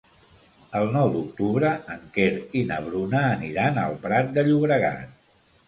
El nou d'octubre en Quer i na Bruna aniran al Prat de Llobregat.